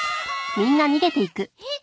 えっ？